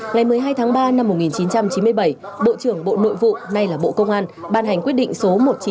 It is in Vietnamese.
ngày một mươi hai tháng ba năm một nghìn chín trăm chín mươi bảy bộ trưởng bộ nội vụ nay là bộ công an ban hành quyết định số một trăm chín mươi hai